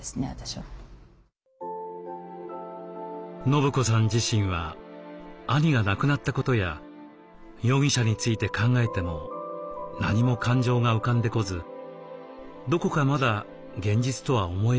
伸子さん自身は兄が亡くなったことや容疑者について考えても何も感情が浮かんでこずどこかまだ現実とは思えないといいます。